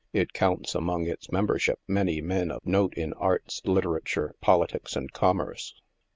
It counts among its membership many men of note in arts, literature, politics and commerce.